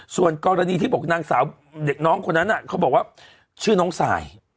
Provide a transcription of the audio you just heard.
ส่วนกรณีที่บอกนางสาวเด็กน้องคนนั้นเขาบอกว่าชื่อน้องสาย